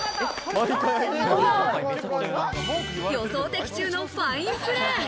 的中のファインプレー。